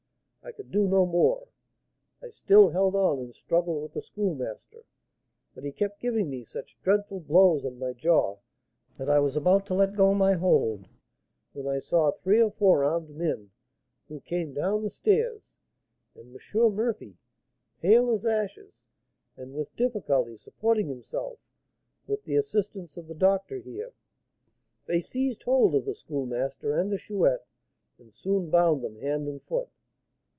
I could do no more; I still held on and struggled with the Schoolmaster, but he kept giving me such dreadful blows on my jaw that I was about to let go my hold, when I saw three or four armed men who came down the stairs, and M. Murphy, pale as ashes, and with difficulty supporting himself with the assistance of the doctor here. They seized hold of the Schoolmaster and the Chouette, and soon bound them hand and foot.